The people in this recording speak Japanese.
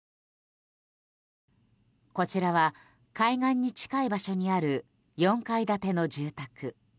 こちらは海岸に近い場所にある４階建ての住宅。